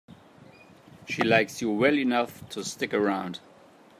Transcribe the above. She likes you well enough to stick around.